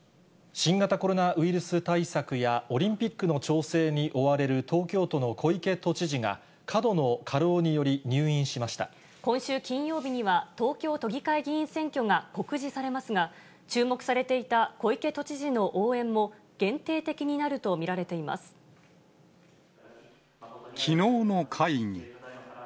新型コロナウイルス対策や、オリンピックの調整に追われる東京都の小池都知事が、過度の過労今週金曜日には、東京都議会議員選挙が告示されますが、注目されていた小池都知事の応援も、限定的になると見られていまきのうの会議。